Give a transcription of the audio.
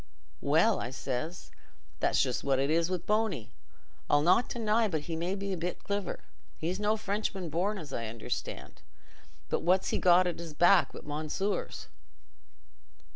'Well,' I says, 'that's just what it is wi' Bony. I'll not deny but he may be a bit cliver—he's no Frenchman born, as I understand—but what's he got at's back but mounseers?